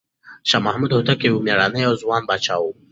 شاه محمود هوتک یو مېړنی او ځوان پاچا و.